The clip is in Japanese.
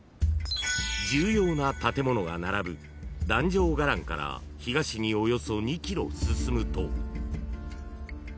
［重要な建物が並ぶ壇上伽藍から東におよそ２ｋｍ進むと］